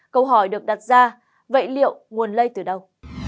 câu hỏi được đặt ra vậy liệu nguồn lây từ đâu